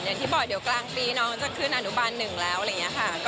อย่างที่บอกเดี๋ยวกลางปีน้องจะขึ้นอนุบาลหนึ่งแล้วอะไรอย่างนี้ค่ะ